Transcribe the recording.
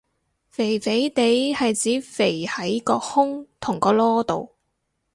肥肥哋係指肥喺個胸同個籮度